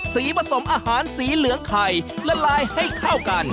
ผสมอาหารสีเหลืองไข่ละลายให้เข้ากัน